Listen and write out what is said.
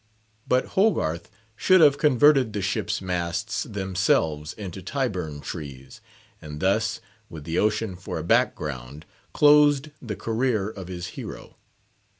But Hogarth should have converted the ship's masts themselves into Tyburn trees, and thus, with the ocean for a background, closed the career of his hero.